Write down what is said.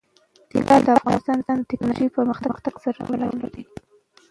طلا د افغانستان د تکنالوژۍ پرمختګ سره تړاو لري.